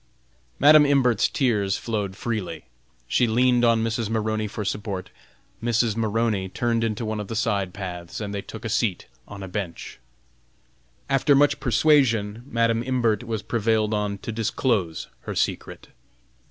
Madam Imbert's tears flowed freely; she leaned on Mrs. Maroney for support. Mrs. Maroney turned into one of the side paths and they took a seat on a bench. After much persuasion, Madam Imbert was prevailed on to disclose her secret.